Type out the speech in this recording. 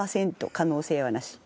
可能性はなし。